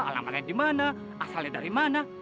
alamannya dimana asalnya dari mana